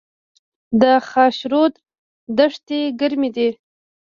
د خاشرود دښتې ګرمې دي